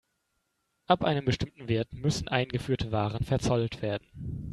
Ab einem bestimmten Wert müssen eingeführte Waren verzollt werden.